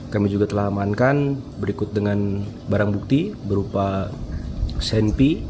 kami juga telah amankan berikut dengan barang bukti berupa senpi